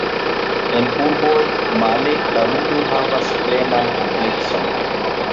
En urboj, male, la ludo havas plenan amplekson.